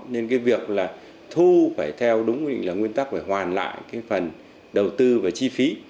nên cái việc là thu phải theo đúng quy định là nguyên tắc phải hoàn lại cái phần đầu tư và chi phí